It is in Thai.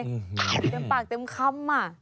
เต็มปากเต็มคำ